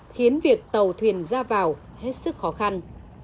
khiến việc tàu thuyền ra vào hết sức khó khăn